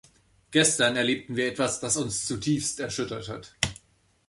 Gestern erlebten wir etwas, das uns zutiefst erschüttert hat.